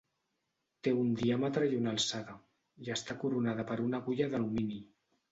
Té un diàmetre i una alçada, i està coronada per una agulla d'alumini.